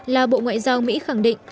là bộ ngoại giao mỹ khẳng định